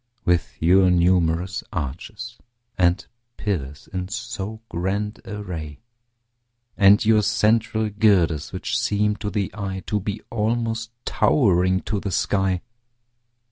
With your numerous arches and pillars in so grand array And your central girders, which seem to the eye To be almost towering to the sky.